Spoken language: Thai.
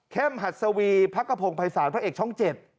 หัดสวีพักกระพงภัยศาลพระเอกช่อง๗